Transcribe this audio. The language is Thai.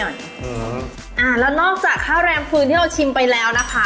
อ่าแล้วนอกจากข้าวแรมฟืนที่เราชิมไปแล้วนะคะ